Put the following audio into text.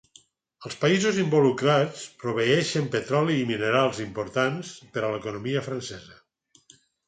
Els països involucrats proveeixen petroli i minerals importants per a l'economia francesa.